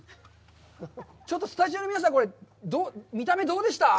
ちょっとスタジオの皆さん、これ見た目、どうでした？